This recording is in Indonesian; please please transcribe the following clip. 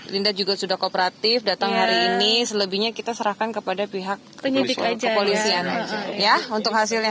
linda juga sudah kooperatif datang hari ini selebihnya kita serahkan kepada pihak penyidik kepolisian ya untuk hasilnya